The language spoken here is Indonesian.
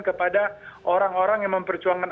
kepada orang orang yang memperjuangkan